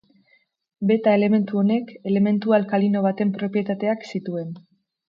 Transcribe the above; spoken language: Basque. Beta elementu honek elementu alkalino baten propietateak zituen.